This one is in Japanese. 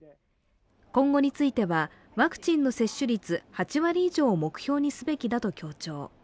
今後については、ワクチンの接種率８割以上を目標にすべきだと強調。